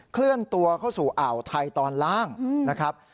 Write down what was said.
เคลื่อนตัวเข้าสู่อ่าวไทยตอนล่างนะครับ